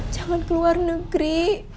jangan keluar negeri